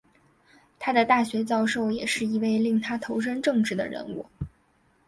他的大学教授也是一位令他投身政治的人物。